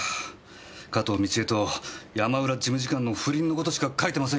加東倫恵と山浦事務次官の不倫の事しか書いてませんよ。